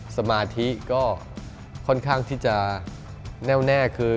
สมาธิก็ค่อนข้างที่จะแน่วแน่คือ